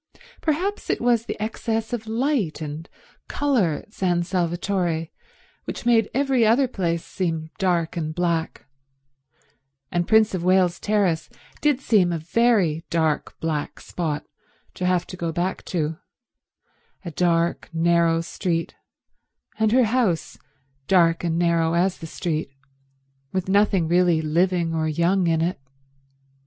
Perhaps it was the excess of light and colour at San Salvatore which made every other place seem dark and black; and Prince of Wales Terrace did seem a very dark black spot to have to go back to —a dark, narrow street, and her house dark and narrow as the street, with nothing really living or young in it.